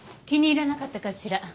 気に入らなかったかしら？